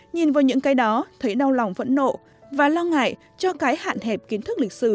nhìn vào những cái đó thấy đau lòng phẫn nộ và lo ngại cho cái hạn hẹp kiến thức lịch sử